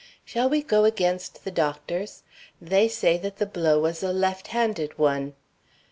"Shall we go against the doctors? They say that the blow was a left handed one.